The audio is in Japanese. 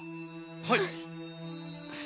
はい。